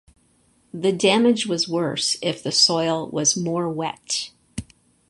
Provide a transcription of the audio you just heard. The damage was worse if the soil was more wet.